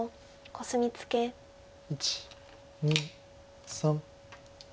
１２３。